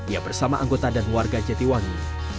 ia bersama anggota dan warga jatiwangi